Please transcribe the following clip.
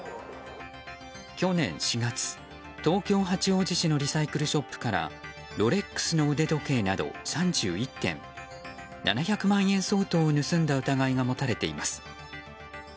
去年４月、東京・八王子市のリサイクルショップからロレックスの腕時計など３１点７００万円相当を盗んだ疑いが持たれています。